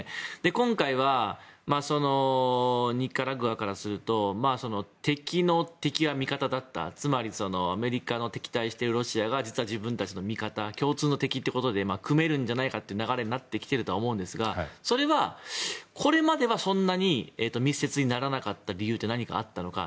今回はニカラグアからすると敵の敵は味方だったつまり、アメリカの敵対しているロシアが実は自分たちの味方共通の敵ということで組めるんじゃないかという流れになってきてると思うんですがこれまでは、そんなに密接にならなかった理由は何かあったのか。